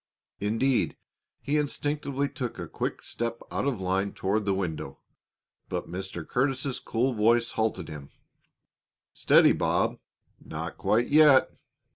Indeed, he instinctively took a quick step out of line toward the window, but Mr. Curtis's cool voice halted him: "Steady, Bob. Not quite yet."